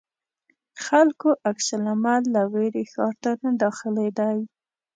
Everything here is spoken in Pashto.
خلکو عکس العمل له وېرې ښار ته نه داخلېدی.